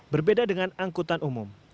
berbeda dengan angkutan umum